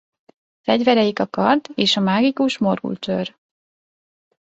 Fegyvereik a kard és a mágikus Morgul-tőr.